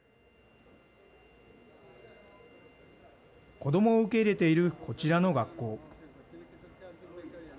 子どもを受け入れているこちらの学校。